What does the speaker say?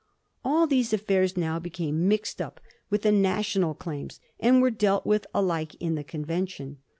All these af fairs now became mixed up with the national claims, and were dealt with alike in the convention.